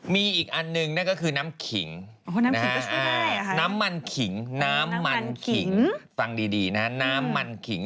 มีอีกอันหนึ่งนั่นก็คือน้ำขิงน้ำมันขิงน้ำมันขิงฟังดีนะน้ำมันขิง